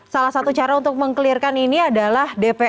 salah satu cara untuk meng clear kan ini adalah dpr